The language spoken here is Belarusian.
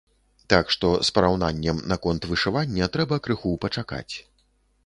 Так што з параўнаннем наконт вышывання трэба крыху пачакаць.